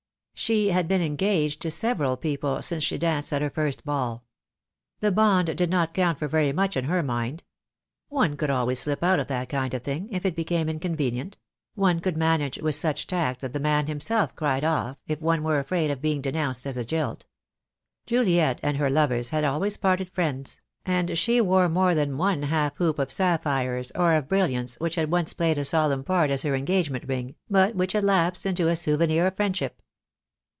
She had been engaged to several people since she danced at her first ball. The bond did not count for very much in her mind. One could always slip out of that kind of thing, if it became inconvenient — one could manage with such tact that the man himself cried off, if one were afraid of being denounced as a jilt. Juliet and her lovers had always parted friends; and she wore more than one half hoop of sapphires or of brilliants THE DAY WILL COME. 225 which had once played a solemn part as her engagement ring, but which had lapsed into a souvenir of friendship.